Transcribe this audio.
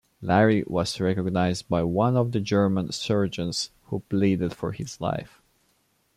Larrey was recognized by one of the German surgeons, who pleaded for his life.